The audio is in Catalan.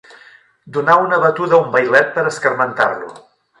Donar una batuda a un vailet per escarmentar-lo.